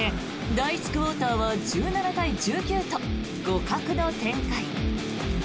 第１クオーターは１７対１９と互角の展開。